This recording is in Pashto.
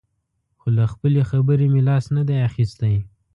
خو له خپلې خبرې مې لاس نه دی اخیستی.